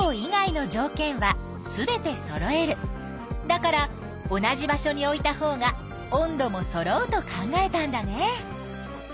だから同じ場所に置いたほうが温度もそろうと考えたんだね。